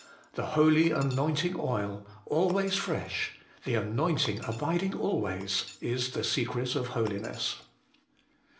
The holy anointing oil, always fresh, the anointing abiding always, is the secret of holiness.